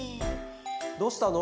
どうしたの？